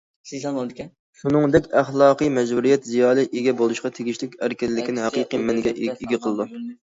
شۇنىڭدەك، ئەخلاقىي مەجبۇرىيەت زىيالىي ئىگە بولۇشقا تېگىشلىك ئەركىنلىكنى ھەقىقىي مەنىگە ئىگە قىلىدۇ.